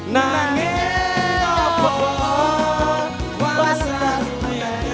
nangil obo walau satu satunya aku